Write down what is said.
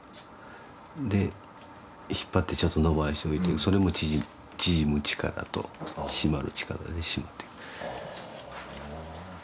で引っ張ってちょっと伸ばしておいてそれも縮む力としまる力でしまってくる。